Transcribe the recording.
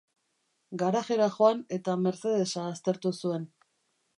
Garajera joan eta Mercedesa aztertu zuen.